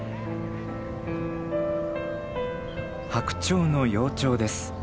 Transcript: ハクチョウの幼鳥です。